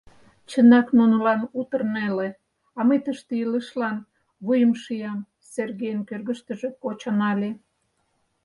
«Чынак, нунылан утыр неле, а мый тыште илышлан вуйым шиям», — Сергейын кӧргыштыжӧ кочо нале.